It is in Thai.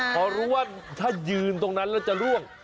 พอรู้ว่าถ้ายืนตรงนั้นแล้วจะร่วง